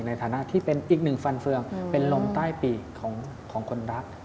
ในฐานะที่เป็นอีกหนึ่งฟันเฟืองเป็นลมใต้ปีกของคนรัก